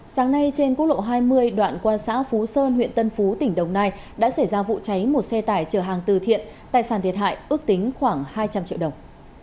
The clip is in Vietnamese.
sáng nay trên quốc lộ hai mươi đoạn qua xã phú sơn huyện tân phú tỉnh đồng nai đã xảy ra vụ cháy một xe tải chở hàng từ thiện tài sản thiệt hại ước tính khoảng hai trăm linh triệu đồng